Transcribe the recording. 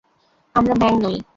আমরা ব্যাঙ নই।